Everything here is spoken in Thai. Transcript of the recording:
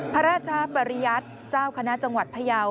พระราชปริยัติเจ้าคณะจังหวัดพยาว